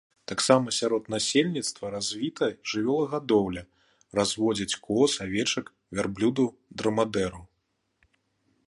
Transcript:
Таксама сярод насельніцтва развіта жывёлагадоўля, разводзяць коз, авечак, вярблюдаў-драмадэраў.